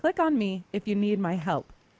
klik di sini jika anda butuh bantuan saya